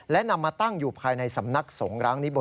และนำมาตั้งอยู่ภายในสำนักสงร้างนิบน